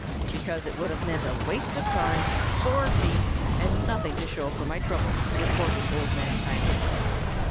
"Because it would have meant a waste of time, sore feet, and nothing to show for my trouble," retorted Old Man Coyote.